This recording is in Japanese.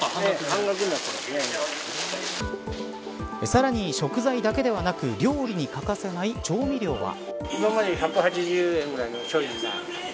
さらに食材だけではなく料理に欠かせない調味料は。